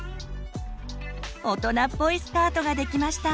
大人っぽいスカートができました。